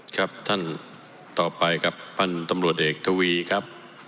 ครับท่านต่อไปครับพันธุ์ตำรวจเอกทวีครับ